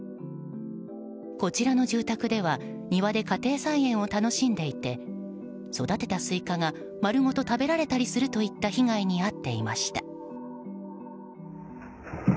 こちらの住宅では庭で家庭菜園を楽しんでいて育てたスイカが丸ごと食べられたりするといった被害に遭っていました。